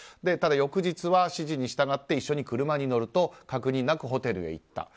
ただ翌日は指示に従って一緒に車に乗ると確認なくホテルへ行った。